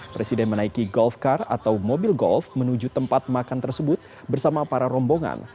presiden menaiki golf car atau mobil golf menuju tempat makan tersebut bersama para rombongan